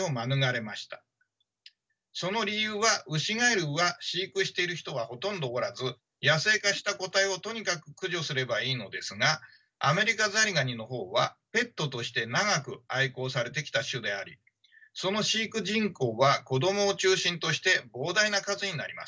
その理由はウシガエルは飼育している人はほとんどおらず野生化した個体をとにかく駆除すればいいのですがアメリカザリガニの方はペットとして長く愛好されてきた種でありその飼育人口は子供を中心として膨大な数になります。